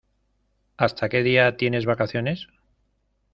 ¿Hasta qué día tienes vacaciones?